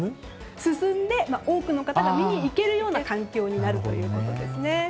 進んで、多くの方が見に行けるような環境になるということですね。